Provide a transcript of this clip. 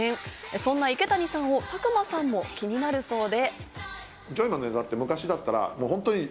そんな池谷さんを佐久間さんも気になるそうで。